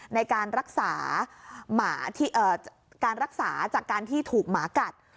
ในการรักษาจากการที่ถูกหมากัด